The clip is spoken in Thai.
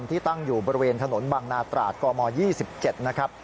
ที่ตั้งอยู่บริเวณถนนบางนาตราดกม๒๗นะครับ